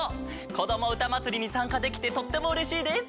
「こどもうたまつり」にさんかできてとってもうれしいです。